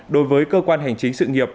đối với cơ quan hành chính sự nghiệp